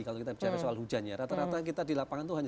kalau kita bicara soal hujan ya rata rata kita di lapangan itu hanya